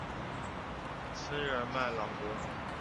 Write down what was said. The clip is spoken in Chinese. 圣日尔曼朗戈。